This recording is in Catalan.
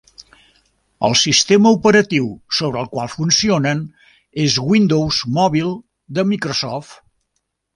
El sistema operatiu sobre el qual funcionen és Windows Mobile de Microsoft.